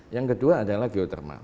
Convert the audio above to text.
yang kedua adalah geotermal